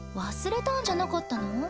忘れたんじゃなかったの？